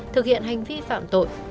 thực hiện hành vi phạm tội